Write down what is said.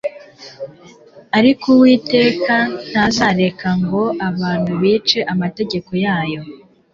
Ariko Uwiteka ntazareka ngo abantu bice amategeko yayo